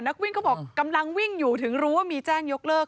นักวิ่งก็บอกกำลังวิ่งอยู่ถึงรู้ว่ามีแจ้งยกเลิก